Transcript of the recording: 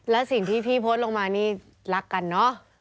และสิ่งที่พี่โพสต์ลงมานี่รักกันเนอะ